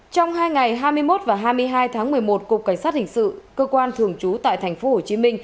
trong hai ngày hai mươi một và hai mươi hai tháng một mươi một cục cảnh sát hình sự cơ quan thường trú tại tp hcm